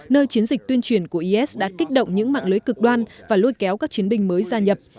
nơi chiến dịch tuyên truyền của is đã kích động những mạng lưới cực đoan và lôi kéo các chiến binh mới gia nhập